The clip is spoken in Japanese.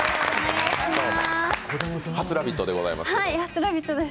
初「ラヴィット！」でございますね。